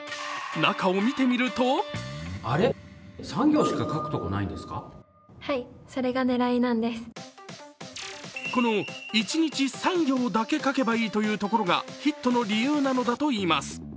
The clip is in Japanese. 中を見てみるとこの一日３行だけ書けばいいというところがヒットの理由なのだといいます。